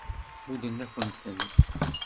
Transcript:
Muddent-akent-ten.